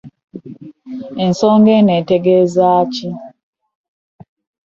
Ensongaa eno etegeeza ki .